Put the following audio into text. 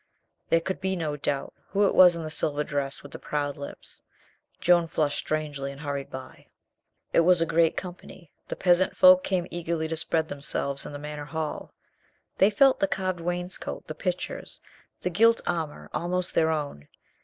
There could be no doubt who it was in the silver dress with the proud lips. Joan flushed strangely and hurried by. It was a great company. The peasant folk came eagerly to spread themselves in the Manor hall. They felt the carved wainscot, the pictures, the gilt armor almost their own.